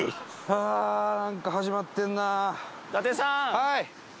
はい！